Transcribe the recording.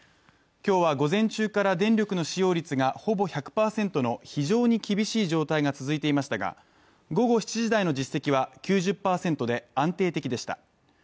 今日は午前中から電力の使用率がほぼ１００％の非常に厳しい状態が続いていましたが、午後７時台の実績は９０％で安定的でした。